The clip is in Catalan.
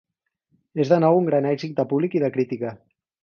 És de nou un gran èxit de públic i de crítica.